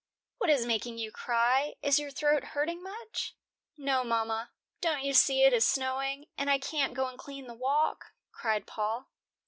"What is making you cry? Is your throat hurting much?" "No, mama. Don't you see it is snowing, and I can't go and clean the walk?" cried Paul.